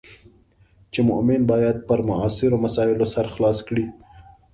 چې مومن باید پر معاصرو مسایلو سر خلاص کړي.